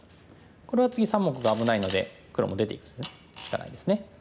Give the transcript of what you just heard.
これは次３目が危ないので黒も出ていくしかないですね。